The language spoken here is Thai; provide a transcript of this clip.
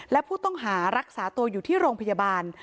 และผู้ต้องหารักษาตัวอยู่ที่โรงพยาบาล